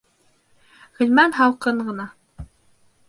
Ғилман һалҡын ғына: